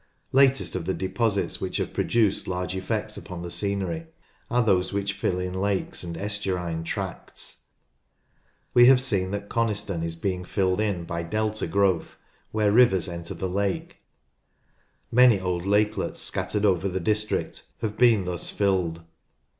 Latest of the deposits which have produced large effects upon the scenery are those which fill in lakes and estuarinc tracts. We have seen that Coniston is being filled in by delta growth where rivers enter the lake. M. N. L. 5 66 NORTH LANCASHIRE Many old lakelets scattered over the district have been thus filled.